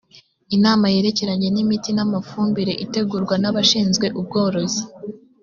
inama yerekeranye n ‘imiti n’ amafumbire itegurwa nabashinzwe ubworozi.